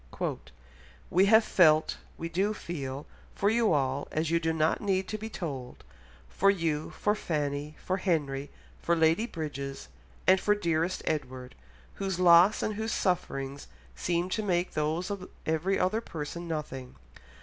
"We have felt—we do feel—for you all as you do not need to be told; for you, for Fanny, for Henry, for Lady Bridges, and for dearest Edward, whose loss and whose sufferings seem to make those of every other person nothing.